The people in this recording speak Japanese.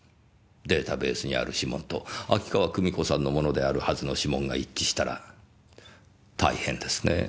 データベースにある指紋と秋川久美子さんのものであるはずの指紋が一致したら大変ですねぇ。